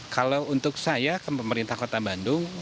kalau untuk saya pemerintah kota bandung